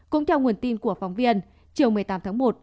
cũng theo nguồn tin của phóng viên chiều một mươi tám tháng một